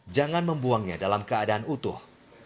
jangan membuangnya dalam keadaan utuh